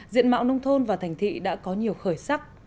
diện mạo nông thôn và thành thị đã có nhiều khởi sắc